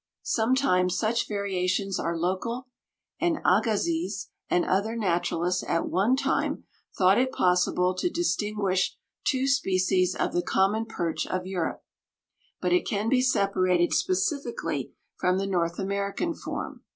Sometimes such variations are local, and Agassiz and other naturalists at one time thought it possible to distinguish two species of the common perch of Europe; but it can be separated specifically from the North American form.